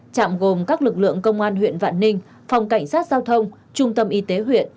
trạm gồm các lực lượng công an huyện vạn ninh phòng cảnh sát giao thông trung tâm y tế huyện